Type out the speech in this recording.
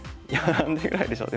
何手ぐらいでしょう。